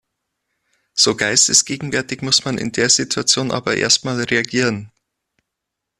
So geistesgegenwärtig muss man in der Situation aber erst mal reagieren.